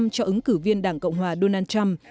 bốn mươi ba cho ứng cử viên đảng cộng hòa donald trump